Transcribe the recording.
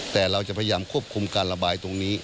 แต่เราจะพยายามควบคุมการระบายตรงนี้